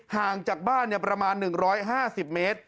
ห่างจากบ้านประมาณ๑๕๐เมตร